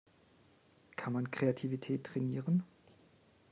Kann man Kreativität trainieren?